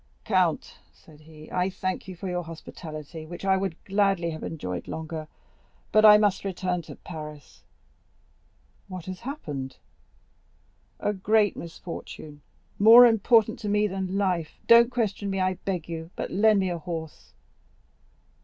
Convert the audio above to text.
"Count," said he, "I thank you for your hospitality, which I would gladly have enjoyed longer; but I must return to Paris." "What has happened?" "A great misfortune, more important to me than life. Don't question me, I beg of you, but lend me a horse."